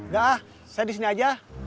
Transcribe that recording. gak saya disini aja